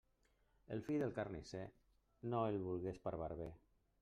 El fill del carnisser no el vulgues per barber.